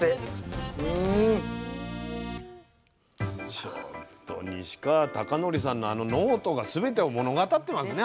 ちょっと西川崇徳さんのあのノートがすべてを物語ってますね